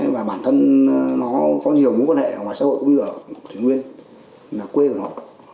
và bản thân nó có nhiều mối quan hệ ngoài xã hội cũng như ở thể nguyên là quê của nó